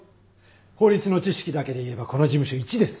法律の知識だけでいえばこの事務所いちです。